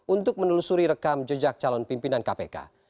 untuk menelusuri rekam jejak calon pimpinan kpk